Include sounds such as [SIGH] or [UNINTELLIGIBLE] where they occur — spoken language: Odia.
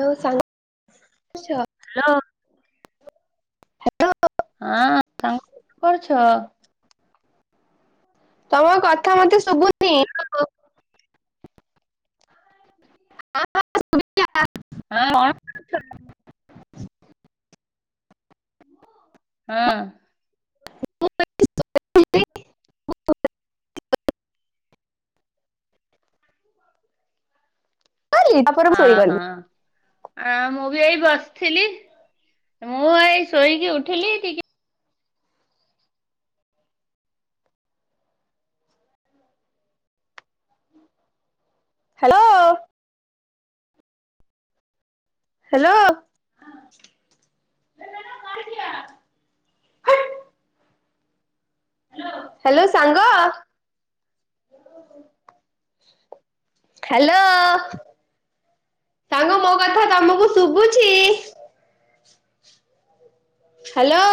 ହ୍ୟାଲୋ ସା ହ୍ୟାଲୋ। ହଁ ସାଙ୍ଗ କଣ କରୁଛ? ତମ କଥା ମତେ ସୁବୁ [INAUDIBLE] ହଁ ସୁଵିଲା। ହଁଣ [UNINTELLIGIBLE] ହଁ। [UNINTELLIGIBLE] କ ତାପରେ ମୁଁ ହଁ ଶୋଇଗଲି। ହଁ ଆ ମୁଁ ବି ଏଇ ବସିଥିଲି ମୁଁ ଏଇ ଶୋଇକି ଉଠିଲି ଟିକେ ହ୍ୟାଲୋ। ହ୍ୟାଲୋ। ହ୍ୟାଲୋ ସାଙ୍ଗ ହ୍ୟାଲୋ ସାଙ୍ଗ ମୋ କଥା ତମକୁ ଶୁଭୁଛି? ହ୍ୟାଲୋ।